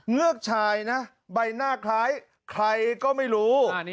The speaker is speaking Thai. เงือกชายนะใบหน้าคล้ายใครก็ไม่รู้